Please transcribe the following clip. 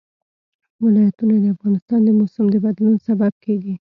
ولایتونه د افغانستان د موسم د بدلون سبب کېږي.